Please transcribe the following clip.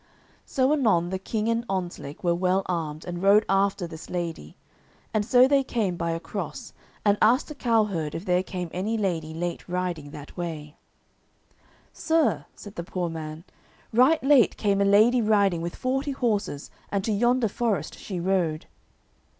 So anon the King and Ontzlake were well armed, and rode after this lady; and so they came by a cross, and asked a cowherd if there came any lady late riding that way. "Sir," said the poor man, "right late came a lady riding with forty horses, and to yonder forest she rode."